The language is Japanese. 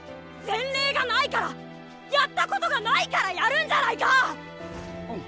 前例がないからやったことがないからやるんじゃないか！